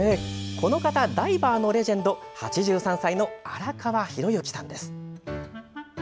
この方、ダイバーのレジェンド８３歳の荒川寛幸さんです。